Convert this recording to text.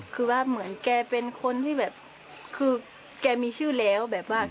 คือว่าเหมือนแกเป็นคนที่แบบคือแกมีชื่อแล้วแบบว่า